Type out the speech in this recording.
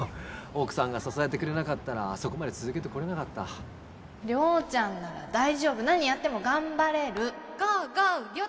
奥さんが支えてくれなかったらあそこまで続けてこれなかった亮ちゃんなら大丈夫何やっても頑張れる！